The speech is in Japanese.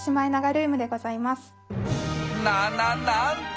なななんと！